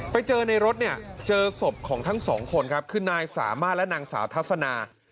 ไปเจอในรถเนี่ยเจอศพของทั้งสองคนครับคือนายสามารถและนางสาวทัศนา